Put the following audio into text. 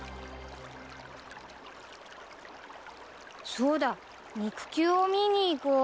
そうだ肉球を見にいこう。